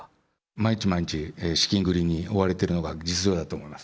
毎日毎日資金繰りに追われてるのが実情だと思います。